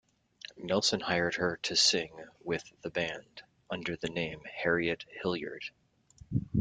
Nelson hired her to sing with the band, under the name Harriet Hilliard.